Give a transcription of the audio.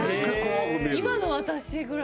今の私ぐらい。